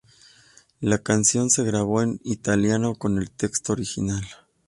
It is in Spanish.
La canción se grabó en italiano, con el texto original.